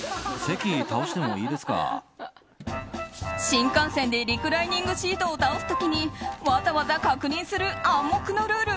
新幹線でリクライニングシートを倒す時にわざわざ確認する暗黙のルール